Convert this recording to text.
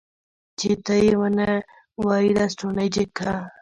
چې ته يې ونه وايي لستوڼی جګ که.